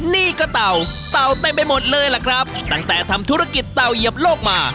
นี่ครับฮะตัวร่ะ